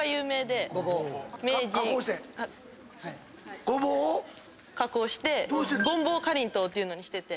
加工してごぼうを⁉加工してごんぼうかりんとうっていうのにしてて。